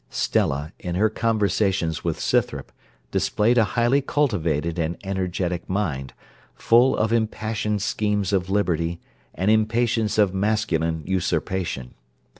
Stella, in her conversations with Scythrop, displayed a highly cultivated and energetic mind, full of impassioned schemes of liberty, and impatience of masculine usurpation.